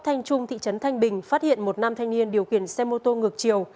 thanh trung thị trấn thanh bình phát hiện một nam thanh niên điều khiển xe mô tô ngược chiều